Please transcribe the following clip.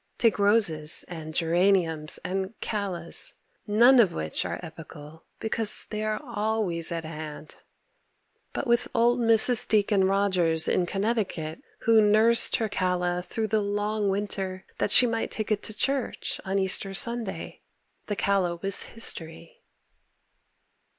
Take roses and geraniums and callas, none of which are epochal because they are always at hand. But with old Mrs. Deacon Rogers in Connecticut who nursed her calla through the long winter that she might take it to church on Easter Sunday, the calla was history.